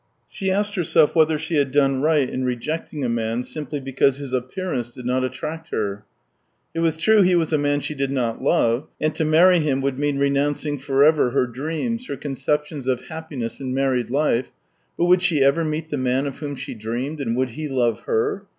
She asked herself whether she had done right in rejecting a man, simply because his appearance did not attract her. It was true he was a man she did not love, and to marry him would mean renouncing for ever her dreams, her conceptions of happiness in married life, but would she ever meet the man of whom she dreamed, and would he love her